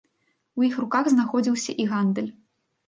У іх руках знаходзіўся і гандаль.